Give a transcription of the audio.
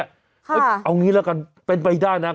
เอาอย่างนี้ล่ะกันเป็นไปได้นะ